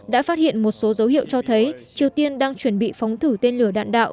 đã phát hiện một số dấu hiệu cho thấy triều tiên đang chuẩn bị phóng thử tên lửa đạn đạo